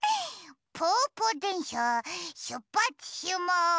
ぽぅぽでんしゃしゅっぱつします！